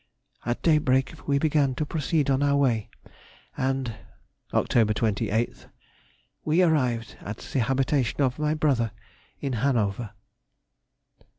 _—At daybreak we began to proceed on our way, and Oct. 28th.—We arrived at the habitation of my brother, in Hanover.